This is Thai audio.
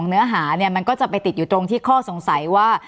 มันก็จะไปติดอยู่ตรงที่ข้อสงสัยว่า